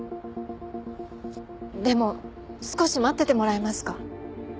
でも少し待っててもらえますか？